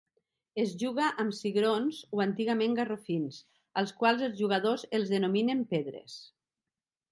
Es juga amb cigrons, o antigament garrofins, als quals els jugadors els denominen pedres.